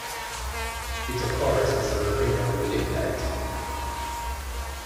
It occurs as the rare mineral molybdite.